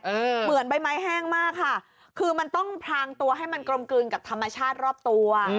เหมือนใบไม้แห้งมากค่ะคือมันต้องพรางตัวให้มันกลมกลืนกับธรรมชาติรอบตัว